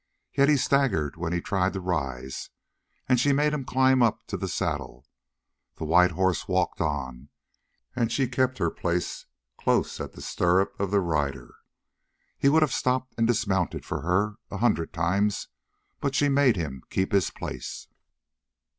Yet he staggered when he tried to rise, and she made him climb up to the saddle. The white horse walked on, and she kept her place close at the stirrup of the rider. He would have stopped and dismounted for her a hundred times, but she made him keep his place.